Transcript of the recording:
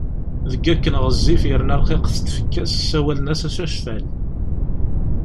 Deg wakken ɣezzif yerna rqiqet tfekka-s ssawalen-as Acacfal.